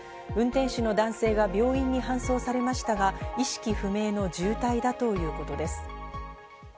運転手の男性が病院に搬送されましたが、意識不明の重体だということです。